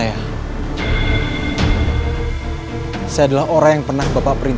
ya sebelum cantik abis ini